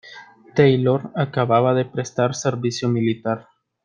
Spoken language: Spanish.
Taylor acababa de prestar servicio militar.